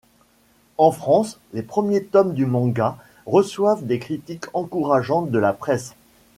En France, les premiers tomes du manga reçoivent des critiques encourageantes de la presse.